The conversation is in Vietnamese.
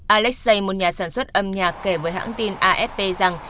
alexei một nhà sản xuất âm nhạc kể với hãng tin afp rằng